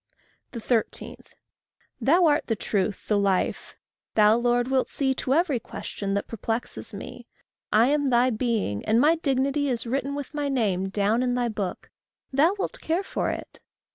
13. Thou art the truth, the life. Thou, Lord, wilt see To every question that perplexes me. I am thy being; and my dignity Is written with my name down in thy book; Thou wilt care for it.